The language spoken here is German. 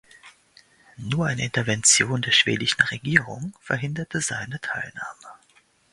Nur eine Intervention der schwedischen Regierung verhinderte seine Teilnahme.